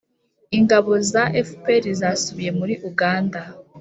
ingabo za fpr zasubiye muri uganda,